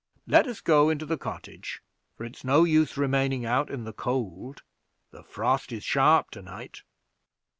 Let us go into the cottage, for it's no use remaining out in the cold; the frost is sharp to night."